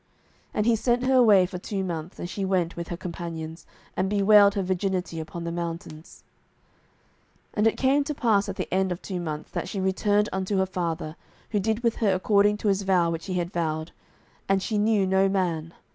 And he sent her away for two months: and she went with her companions, and bewailed her virginity upon the mountains. 07:011:039 And it came to pass at the end of two months, that she returned unto her father, who did with her according to his vow which he had vowed: and she knew no man.